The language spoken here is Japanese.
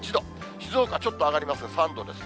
静岡、ちょっと上がりますが３度ですね。